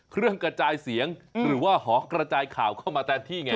เครื่องกระจายเสียงหรือว่าหอกระจายข่าวเข้ามาแทนที่ไง